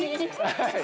◆はい。